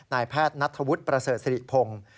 นายแพทย์นัทธวุฒิประเสริฐศิริพงศ์